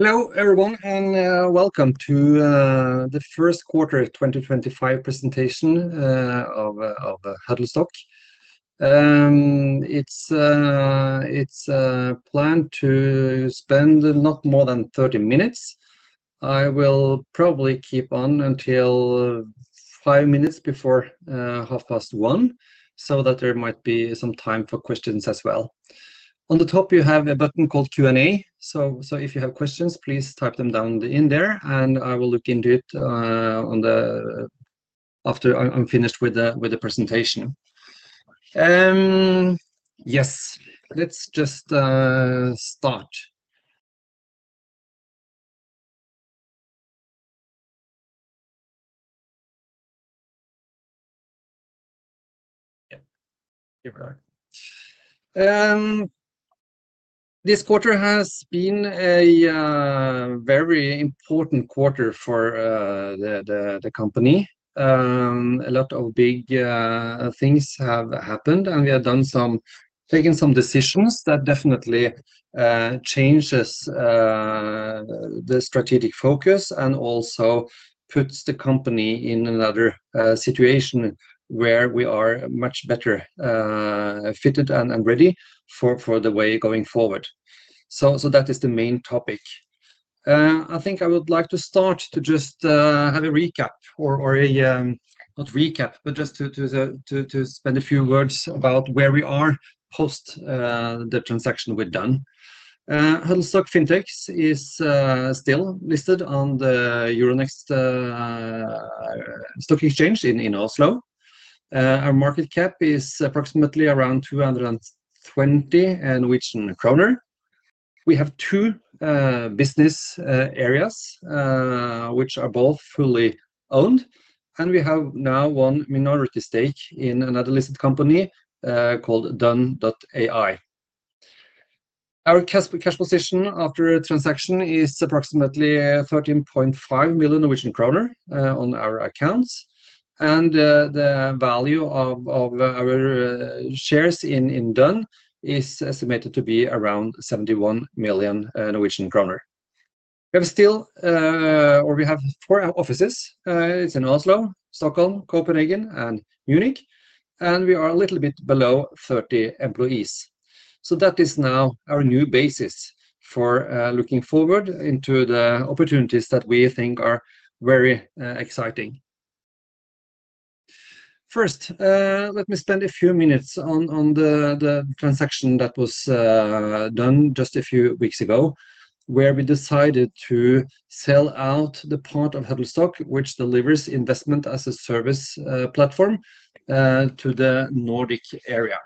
Hello everyone, and welcome to the first quarter 2025 presentation of Huddlestock. It's planned to spend not more than 30 minutes. I will probably keep on until five minutes before half past one, so that there might be some time for questions as well. On the top, you have a button called Q&A, so if you have questions, please type them down in there, and I will look into it after I'm finished with the presentation. Yes, let's just start. Yeah, here we are. This quarter has been a very important quarter for the company. A lot of big things have happened, and we have taken some decisions that definitely change the strategic focus and also put the company in another situation where we are much better fitted and ready for the way going forward. That is the main topic. I think I would like to start to just have a recap, or not recap, but just to spend a few words about where we are post the transaction we've done. Huddlestock Fintech is still listed on the Euronext Stock Exchange in Oslo. Our market cap is approximately around 220 million kroner. We have two business areas which are both fully owned, and we have now one minority stake in another listed company called Dunn.ai. Our cash position after transaction is approximately 13.5 million Norwegian kroner on our accounts, and the value of our shares in Dunn is estimated to be around 71 million Norwegian kroner. We have four offices. It's in Oslo, Stockholm, Copenhagen, and Munich, and we are a little bit below 30 employees. That is now our new basis for looking forward into the opportunities that we think are very exciting. First, let me spend a few minutes on the transaction that was done just a few weeks ago, where we decided to sell out the part of Huddlestock, which delivers Investment as a Service Platform, to the Nordic area.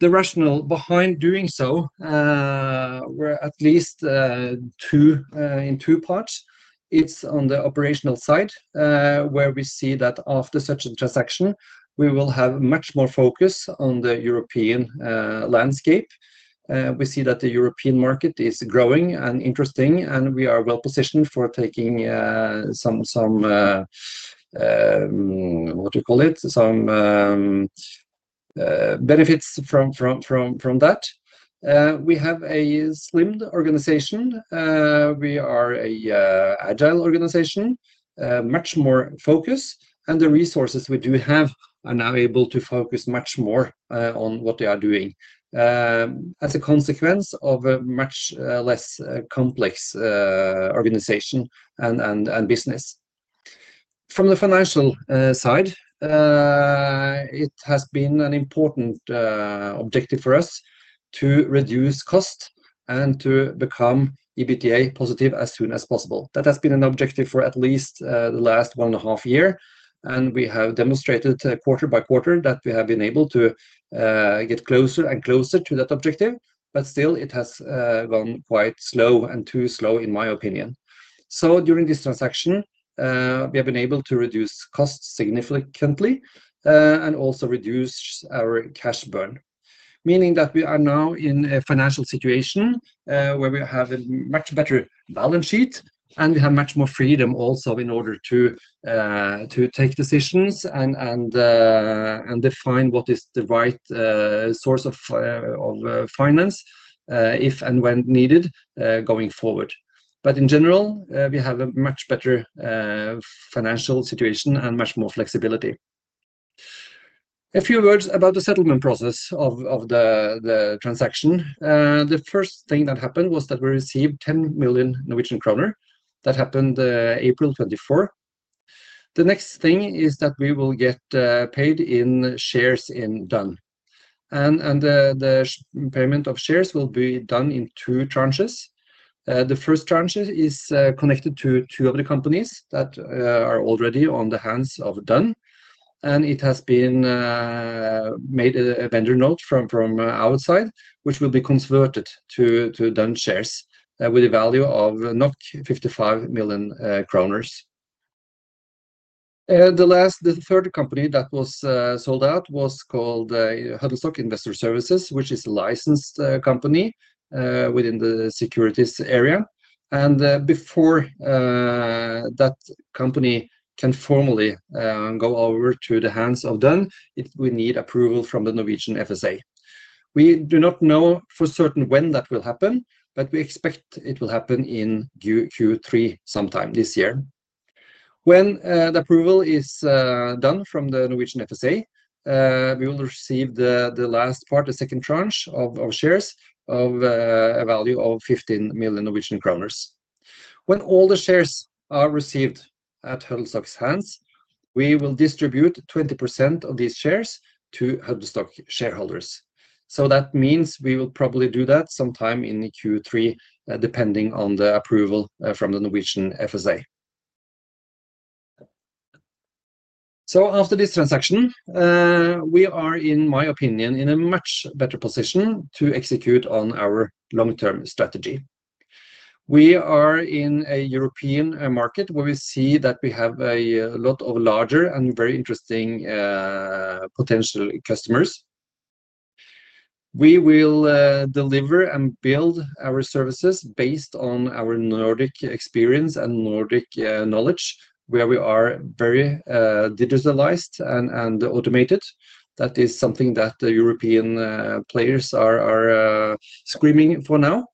The rationale behind doing so were at least in two parts. It's on the operational side, where we see that after such a transaction, we will have much more focus on the European landscape. We see that the European market is growing and interesting, and we are well positioned for taking some, what do you call it, some benefits from that. We have a slimmed organization. We are an agile organization, much more focused, and the resources we do have are now able to focus much more on what they are doing, as a consequence of a much less complex organization and business. From the financial side, it has been an important objective for us to reduce costs and to become EBITDA positive as soon as possible. That has been an objective for at least the last one and a half years, and we have demonstrated quarter by quarter that we have been able to get closer and closer to that objective, but still it has gone quite slow and too slow, in my opinion. During this transaction, we have been able to reduce costs significantly and also reduce our cash burn, meaning that we are now in a financial situation where we have a much better balance sheet, and we have much more freedom also in order to take decisions and define what is the right source of finance if and when needed going forward. In general, we have a much better financial situation and much more flexibility. A few words about the settlement process of the transaction. The first thing that happened was that we received 10 million Norwegian kroner. That happened April 2024. The next thing is that we will get paid in shares in Dunn, and the payment of shares will be done in two tranches. The first tranche is connected to two of the companies that are already on the hands of Dunn, and it has been made a vendor note from outside, which will be converted to Dunn.ai shares with a value of 55 million kroner. The third company that was sold out was called Huddlestock Investor Services, which is a licensed company within the securities area. Before that company can formally go over to the hands of Dunn.ai, we need approval from the Norwegian FSA. We do not know for certain when that will happen, but we expect it will happen in Q3 sometime this year. When the approval is done from the Norwegian FSA, we will receive the last part, the second tranche of shares of a value of 15 million Norwegian kroner. When all the shares are received at Huddlestock's hands, we will distribute 20% of these shares to Huddlestock shareholders. That means we will probably do that sometime in Q3, depending on the approval from the Norwegian FSA. After this transaction, we are, in my opinion, in a much better position to execute on our long-term strategy. We are in a European market where we see that we have a lot of larger and very interesting potential customers. We will deliver and build our services based on our Nordic experience and Nordic knowledge, where we are very digitalized and automated. That is something that the European players are screaming for now.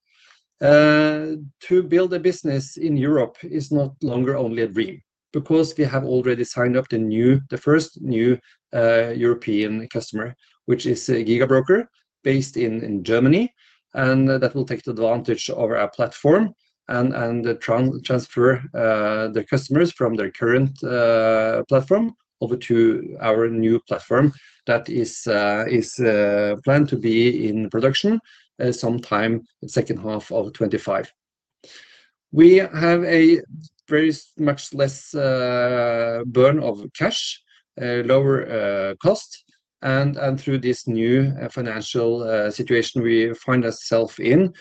To build a business in Europe is no longer only a dream, because we have already signed up the first new European customer, which is Giga Broker based in Germany, and that will take advantage of our platform and transfer the customers from their current platform over to our new platform that is planned to be in production sometime in the second half of 2025. We have a very much less burn of cash, lower cost, and through this new financial situation we find ourselves in,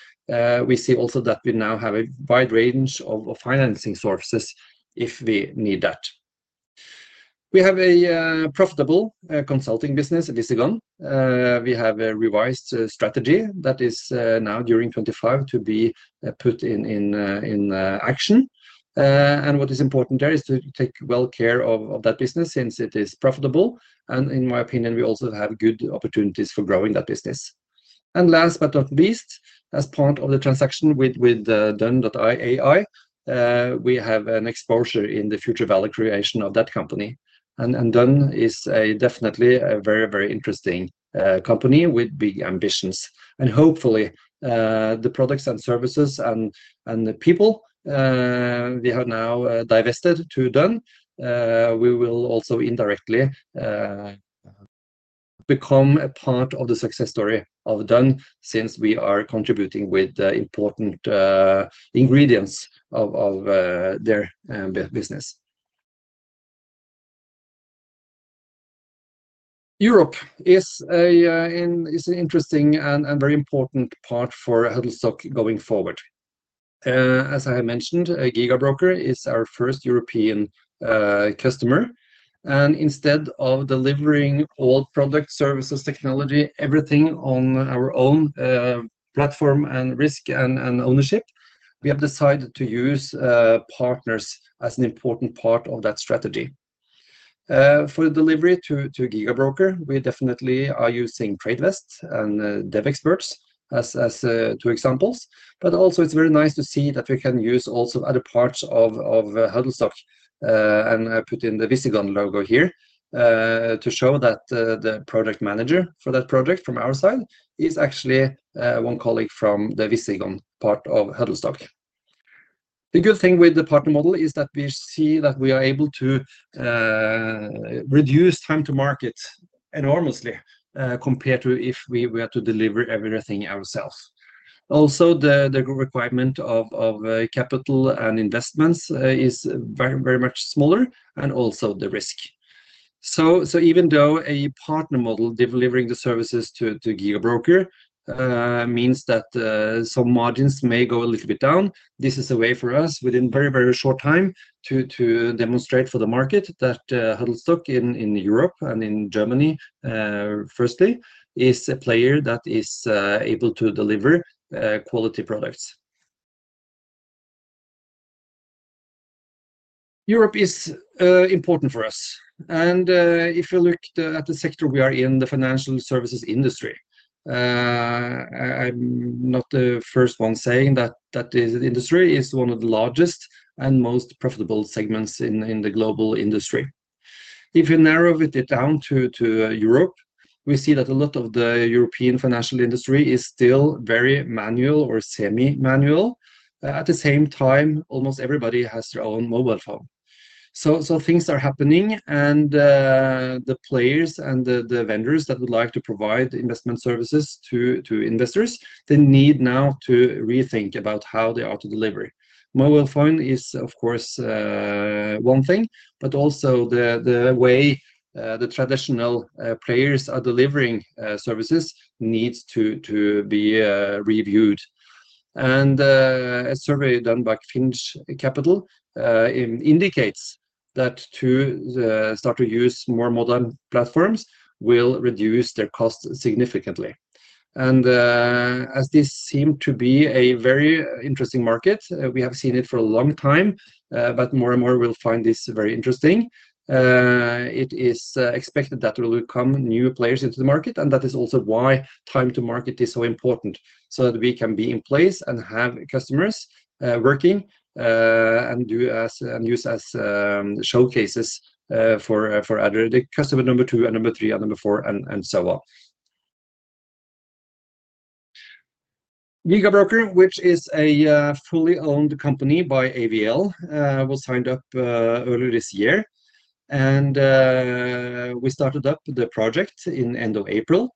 we see also that we now have a wide range of financing sources if we need that. We have a profitable consulting business, Visigon. We have a revised strategy that is now during 2025 to be put in action. What is important there is to take well care of that business since it is profitable, and in my opinion, we also have good opportunities for growing that business. Last but not least, as part of the transaction with Dunn.ai, we have an exposure in the future value creation of that company. Dunn is definitely a very, very interesting company with big ambitions. Hopefully, the products and services and the people we have now divested to Dunn, we will also indirectly become a part of the success story of Dunn since we are contributing with important ingredients of their business. Europe is an interesting and very important part for Huddlestock going forward. As I mentioned, Giga Broker is our first European customer. Instead of delivering all products, services, technology, everything on our own platform and risk and ownership, we have decided to use partners as an important part of that strategy. For delivery to Giga Broker, we definitely are using Tradevest and Devexperts as two examples, but also it's very nice to see that we can use also other parts of Huddlestock and put in the Visigon logo here to show that the product manager for that project from our side is actually one colleague from the Visigon part of Huddlestock. The good thing with the partner model is that we see that we are able to reduce time to market enormously compared to if we had to deliver everything ourselves. Also, the requirement of capital and investments is very, very much smaller and also the risk. Even though a partner model delivering the services to Giga Broker means that some margins may go a little bit down, this is a way for us within a very, very short time to demonstrate for the market that Huddlestock in Europe and in Germany, firstly, is a player that is able to deliver quality products. Europe is important for us. If you look at the sector we are in, the financial services industry, I'm not the first one saying that this industry is one of the largest and most profitable segments in the global industry. If you narrow it down to Europe, we see that a lot of the European financial industry is still very manual or semi-manual. At the same time, almost everybody has their own mobile phone. Things are happening, and the players and the vendors that would like to provide investment services to investors, they need now to rethink about how they are to deliver. Mobile phone is, of course, one thing, but also the way the traditional players are delivering services needs to be reviewed. A survey done by Finch Capital indicates that to start to use more modern platforms will reduce their costs significantly. As this seemed to be a very interesting market, we have seen it for a long time, but more and more we'll find this very interesting. It is expected that there will come new players into the market, and that is also why time to market is so important, so that we can be in place and have customers working and use as showcases for the customer number two and number three and number four and so on. Giga Broker, which is a fully owned company by AVL, was signed up earlier this year, and we started up the project in the end of April.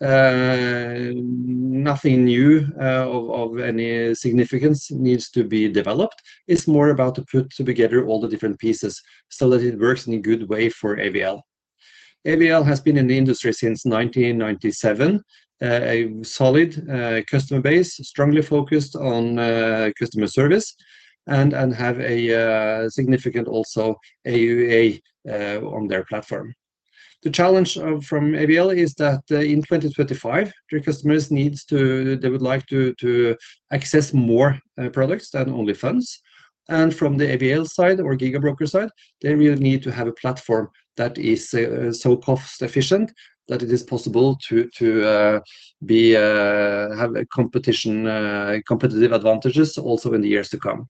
Nothing new of any significance needs to be developed. It's more about to put together all the different pieces so that it works in a good way for AVL. AVL has been in the industry since 1997, a solid customer base, strongly focused on customer service, and have a significant also AUA on their platform. The challenge from AVL is that in 2025, their customers need to, they would like to access more products than only funds. From the AVL side or Giga Broker side, they really need to have a platform that is so cost-efficient that it is possible to have competitive advantages also in the years to come.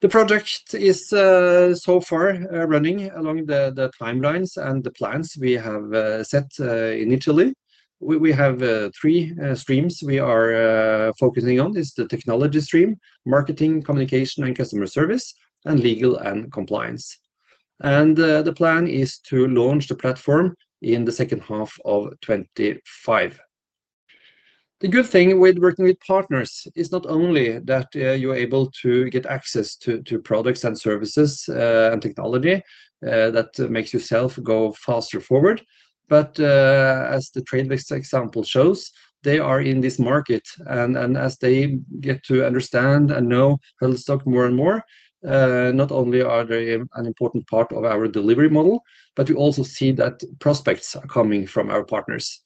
The project is so far running along the timelines and the plans we have set initially. We have three streams we are focusing on. It's the technology stream, marketing, communication, and customer service, and legal and compliance. The plan is to launch the platform in the second half of 2025. The good thing with working with partners is not only that you're able to get access to products and services and technology that makes yourself go faster forward, but as the Tradevest example shows, they are in this market. As they get to understand and know Huddlestock more and more, not only are they an important part of our delivery model, but we also see that prospects are coming from our partners.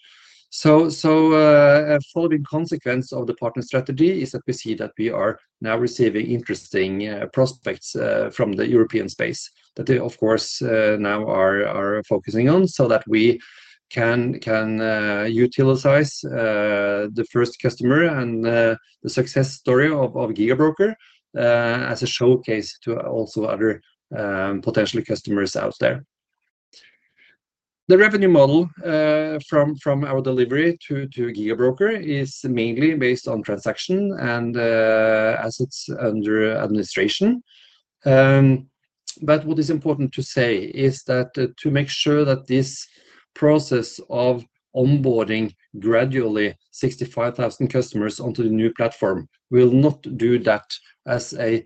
A following consequence of the partner strategy is that we see that we are now receiving interesting prospects from the European space that they, of course, now are focusing on so that we can utilize the first customer and the success story of Giga Broker as a showcase to also other potential customers out there. The revenue model from our delivery to Giga Broker is mainly based on transaction and assets under administration. What is important to say is that to make sure that this process of onboarding gradually 65,000 customers onto the new platform, we will not do that as a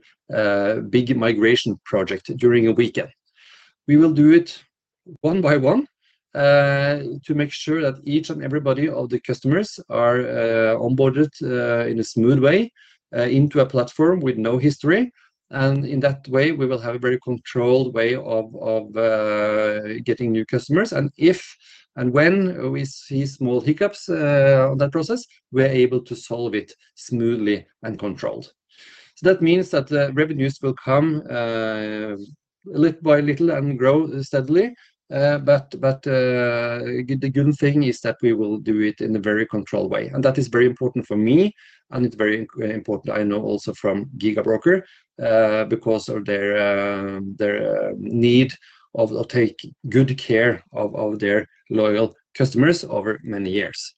big migration project during a weekend. We will do it one by one to make sure that each and everybody of the customers are onboarded in a smooth way into a platform with no history. In that way, we will have a very controlled way of getting new customers. If and when we see small hiccups on that process, we're able to solve it smoothly and controlled. That means that the revenues will come little by little and grow steadily. The good thing is that we will do it in a very controlled way. That is very important for me, and it's very important I know also from Giga Broker because of their need of taking good care of their loyal customers over many years.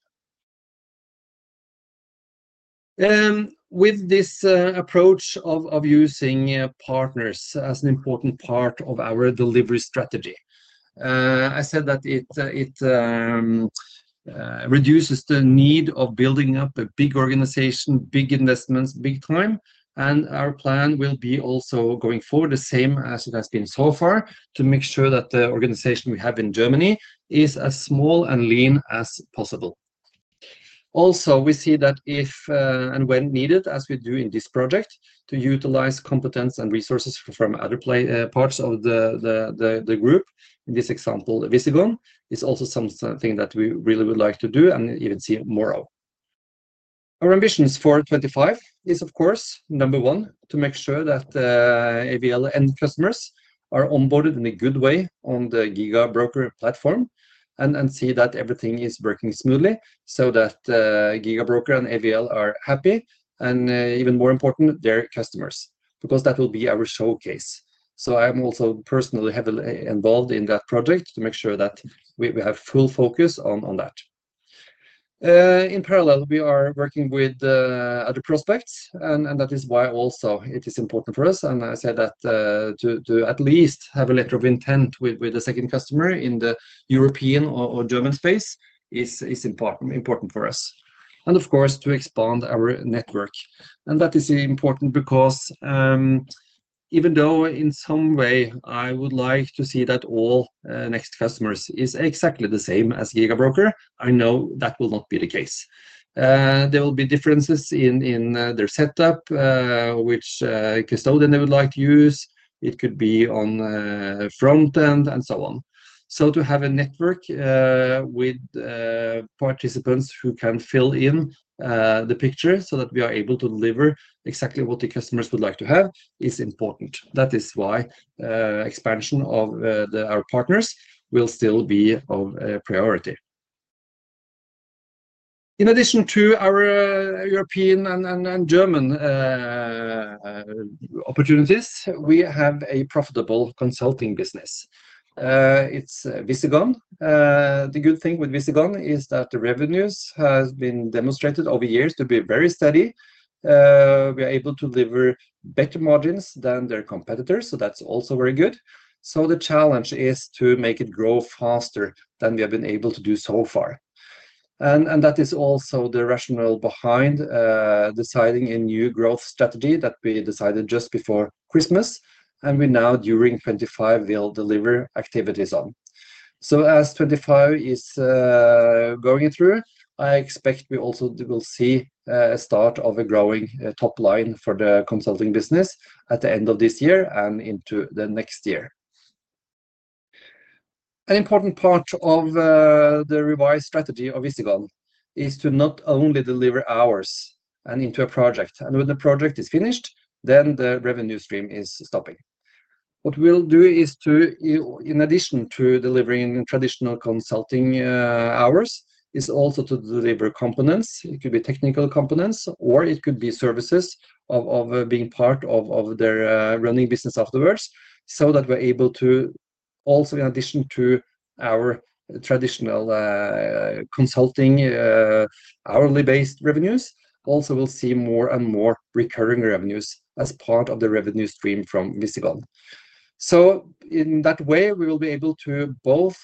With this approach of using partners as an important part of our delivery strategy, I said that it reduces the need of building up a big organization, big investments, big time. Our plan will be also going forward the same as it has been so far to make sure that the organization we have in Germany is as small and lean as possible. Also, we see that if and when needed, as we do in this project, to utilize competence and resources from other parts of the group, in this example, Visigon, is also something that we really would like to do and even see more of. Our ambitions for 2025 is, of course, number one, to make sure that AVL and customers are onboarded in a good way on the Giga Broker platform and see that everything is working smoothly so that Giga Broker and AVL are happy and, even more important, their customers, because that will be our showcase. I'm also personally heavily involved in that project to make sure that we have full focus on that. In parallel, we are working with other prospects, and that is why also it is important for us. I said that to at least have a letter of intent with the second customer in the European or German space is important for us. Of course, to expand our network. That is important because even though in some way I would like to see that all next customers is exactly the same as Giga Broker, I know that will not be the case. There will be differences in their setup, which custodian they would like to use. It could be on front end and so on. To have a network with participants who can fill in the picture so that we are able to deliver exactly what the customers would like to have is important. That is why expansion of our partners will still be of priority. In addition to our European and German opportunities, we have a profitable consulting business. It's Visigon. The good thing with Visigon is that the revenues have been demonstrated over years to be very steady. We are able to deliver better margins than their competitors, so that's also very good. The challenge is to make it grow faster than we have been able to do so far. That is also the rationale behind deciding a new growth strategy that we decided just before Christmas, and we now during 2025 will deliver activities on. As 2025 is going through, I expect we also will see a start of a growing top line for the consulting business at the end of this year and into the next year. An important part of the revised strategy of Visigon is to not only deliver hours and into a project. When the project is finished, then the revenue stream is stopping. What we'll do is to, in addition to delivering traditional consulting hours, also deliver components. It could be technical components, or it could be services of being part of their running business afterwards, so that we're able to also, in addition to our traditional consulting hourly-based revenues, also we'll see more and more recurring revenues as part of the revenue stream from Visigon. In that way, we will be able to both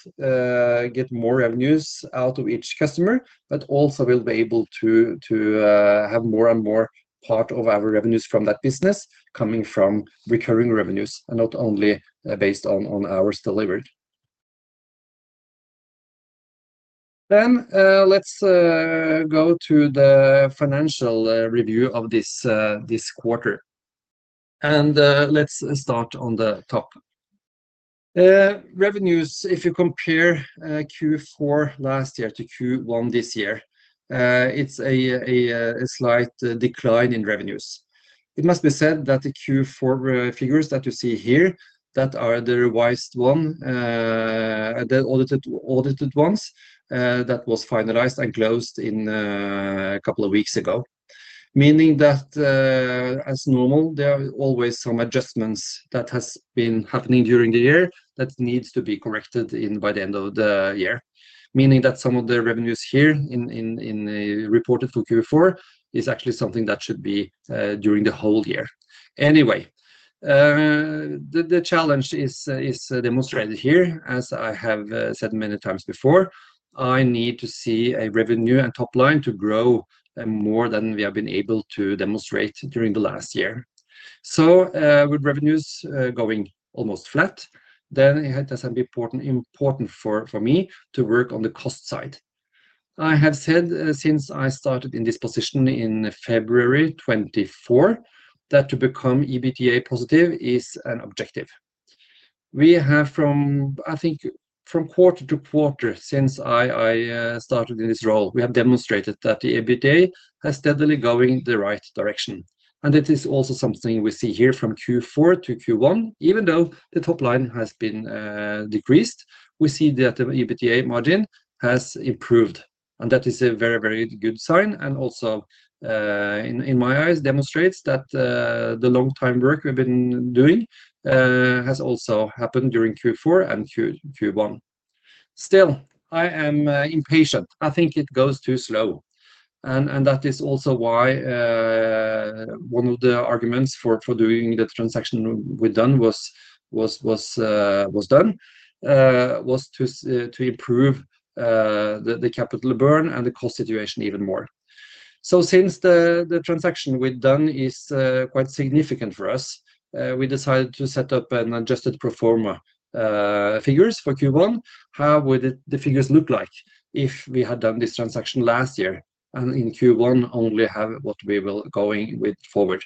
get more revenues out of each customer, but also we'll be able to have more and more part of our revenues from that business coming from recurring revenues and not only based on hours delivered. Let's go to the financial review of this quarter. Let's start on the top. Revenues, if you compare Q4 last year to Q1 this year, it's a slight decline in revenues. It must be said that the Q4 figures that you see here, that are the revised ones, the audited ones, that was finalized and closed in a couple of weeks ago, meaning that as normal, there are always some adjustments that have been happening during the year that need to be corrected by the end of the year, meaning that some of the revenues here reported for Q4 is actually something that should be during the whole year. Anyway, the challenge is demonstrated here. As I have said many times before, I need to see a revenue and top line to grow more than we have been able to demonstrate during the last year. With revenues going almost flat, then it doesn't be important for me to work on the cost side. I have said since I started in this position in February 2024 that to become EBITDA positive is an objective. We have, I think, from quarter to quarter since I started in this role, we have demonstrated that the EBITDA has steadily gone in the right direction. It is also something we see here from Q4 to Q1. Even though the top line has been decreased, we see that the EBITDA margin has improved. That is a very, very good sign and also, in my eyes, demonstrates that the long-time work we've been doing has also happened during Q4 and Q1. Still, I am impatient. I think it goes too slow. That is also why one of the arguments for doing the transaction we've done was done, was to improve the capital burn and the cost situation even more. Since the transaction we've done is quite significant for us, we decided to set up adjusted pro forma figures for Q1. How would the figures look like if we had done this transaction last year and in Q1 only have what we were going with forward?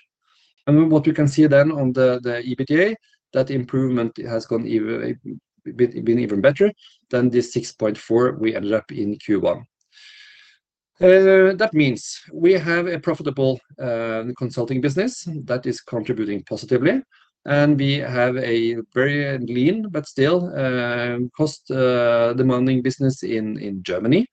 What we can see then on the EBITDA, that improvement has been even better than the 6.4 we ended up in Q1. That means we have a profitable consulting business that is contributing positively, and we have a very lean, but still cost-demanding business in Germany.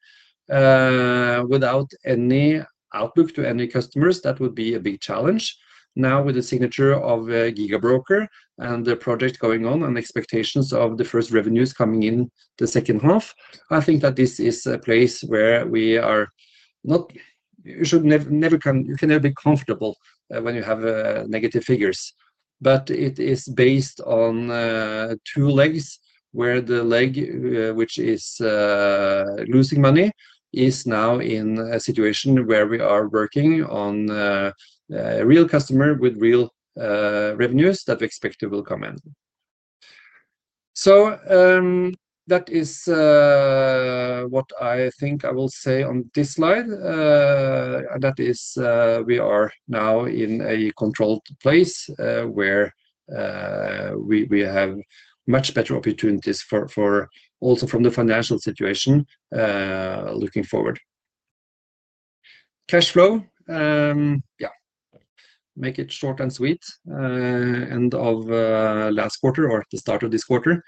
Without any outlook to any customers, that would be a big challenge. Now, with the signature of Giga Broker and the project going on and expectations of the first revenues coming in the second half, I think that this is a place where we are not, you can never be comfortable when you have negative figures. It is based on two legs where the leg which is losing money is now in a situation where we are working on a real customer with real revenues that we expect will come in. That is what I think I will say on this slide. That is, we are now in a controlled place where we have much better opportunities also from the financial situation looking forward. Cash flow, yeah, make it short and sweet. End of last quarter or the start of this quarter,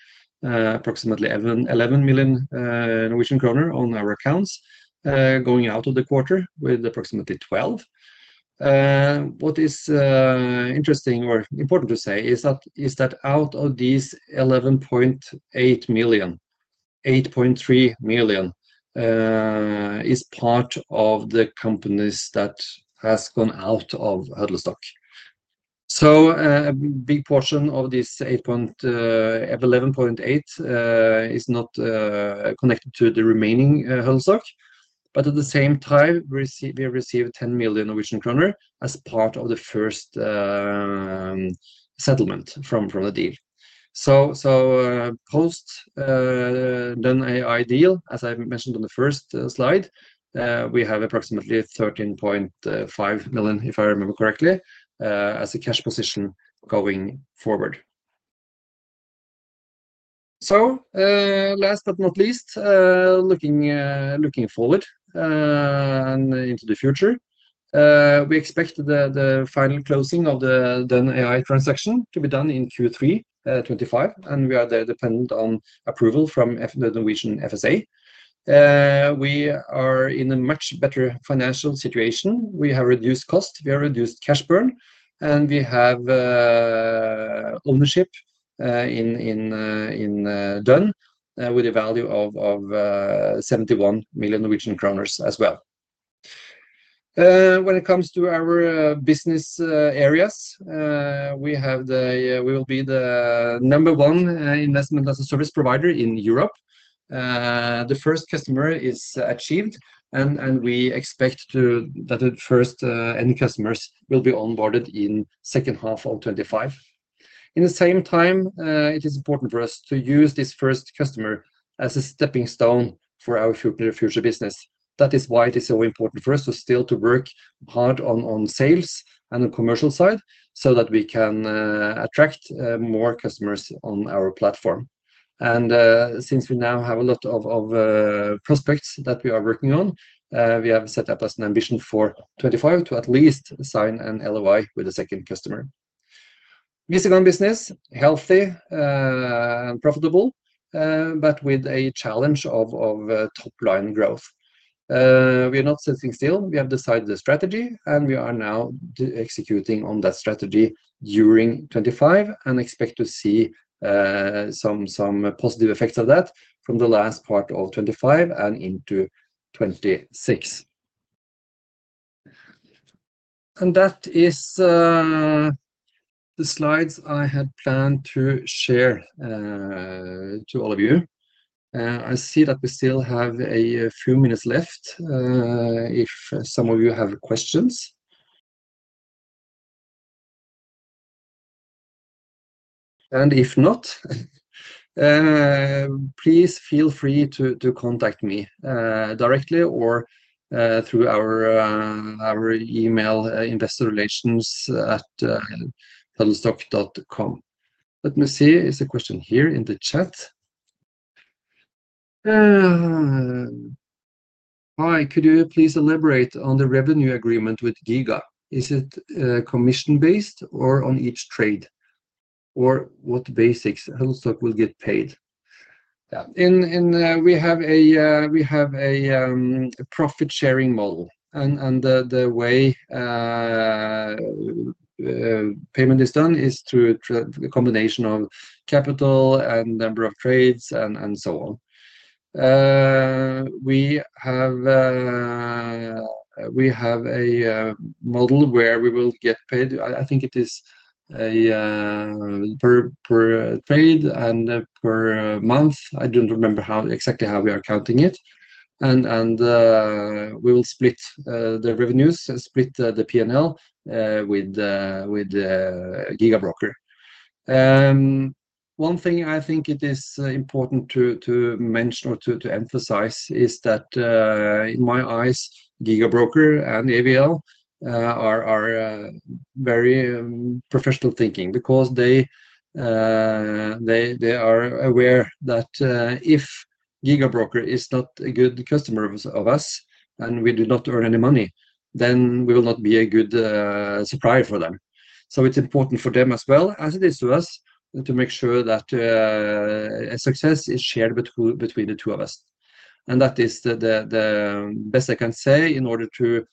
approximately 11 million Norwegian kroner on our accounts, going out of the quarter with approximately 12 million. What is interesting or important to say is that out of these 11.8 million, 8.3 million is part of the companies that have gone out of Huddlestock. A big portion of this 11.8 is not connected to the remaining Huddlestock, but at the same time, we receive 10 million Norwegian kroner as part of the first settlement from the deal. Post Dunn.ai deal, as I mentioned on the first slide, we have approximately 13.5 million, if I remember correctly, as a cash position going forward. Last but not least, looking forward into the future, we expect the final closing of the Dunn.ai transaction to be done in Q3 2025, and we are dependent on approval from the Norwegian FSA. We are in a much better financial situation. We have reduced cost, we have reduced cash burn, and we have ownership in Dunn.ai with a value of 71 million Norwegian kroner as well. When it comes to our business areas, we will be the number one Investment-as-a-Service provider in Europe. The first customer is achieved, and we expect that the first end customers will be onboarded in the second half of 2025. At the same time, it is important for us to use this first customer as a stepping stone for our future business. That is why it is so important for us to still work hard on sales and the commercial side so that we can attract more customers on our platform. Since we now have a lot of prospects that we are working on, we have set up as an ambition for 2025 to at least sign an LOI with a second customer. Visigon business, healthy and profitable, but with a challenge of top line growth. We are not sitting still. We have decided the strategy, and we are now executing on that strategy during 2025 and expect to see some positive effects of that from the last part of 2025 and into 2026. That is the slides I had planned to share to all of you. I see that we still have a few minutes left if some of you have questions. If not, please feel free to contact me directly or through our email, investorrelations@huddlestock.com. Let me see, it's a question here in the chat. Hi, could you please elaborate on the revenue agreement with Giga Broker? Is it commission-based or on each trade? Or what basis Huddlestock will get paid? Yeah, we have a profit-sharing model, and the way payment is done is through a combination of capital and number of trades and so on. We have a model where we will get paid. I think it is per trade and per month. I do not remember exactly how we are counting it. We will split the revenues, split the P&L with Giga Broker. One thing I think it is important to mention or to emphasize is that in my eyes, Giga Broker and AVL are very professional thinking because they are aware that if Giga Broker is not a good customer of us and we do not earn any money, then we will not be a good supplier for them. It is important for them as well as it is to us to make sure that success is shared between the two of us. That is the best I can say in order to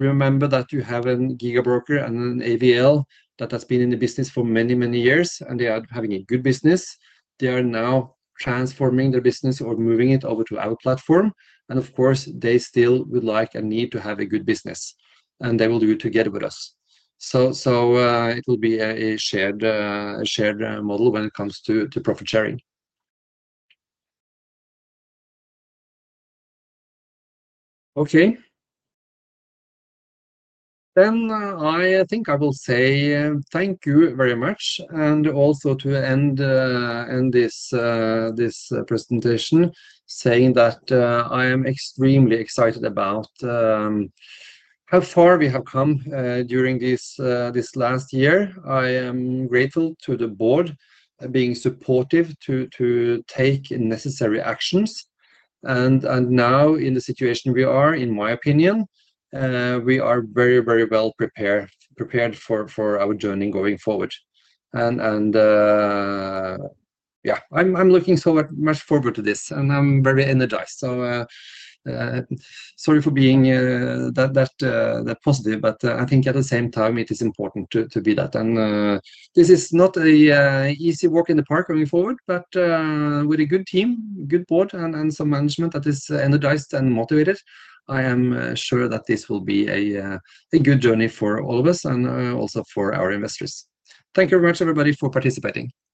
remember that you have a Giga Broker and an AVL that has been in the business for many, many years, and they are having a good business. They are now transforming their business or moving it over to our platform. Of course, they still would like and need to have a good business, and they will do it together with us. It will be a shared model when it comes to profit sharing. Okay. I think I will say thank you very much. Also, to end this presentation, I am extremely excited about how far we have come during this last year. I am grateful to the board being supportive to take necessary actions. Now in the situation we are, in my opinion, we are very, very well prepared for our journey going forward. Yeah, I'm looking so much forward to this, and I'm very energized. Sorry for being that positive, but I think at the same time, it is important to be that. This is not an easy walk in the park going forward, but with a good team, good board, and some management that is energized and motivated, I am sure that this will be a good journey for all of us and also for our investors. Thank you very much, everybody, for participating.